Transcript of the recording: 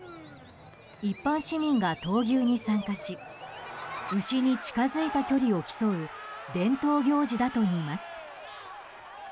一般市民が闘牛に参加し牛に近づいた距離を競う伝統行事だといいます。